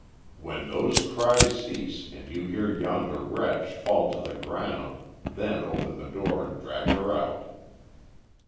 When those cries cease, and you hear yonder wretch fall to the ground, then open the door and drag her out."